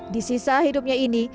di sisa hidupnya ini